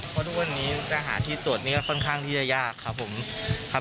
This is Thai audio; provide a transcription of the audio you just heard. เพราะทุกวันนี้จะหาที่ตรวจนี้ก็ค่อนข้างที่จะยากครับผมครับ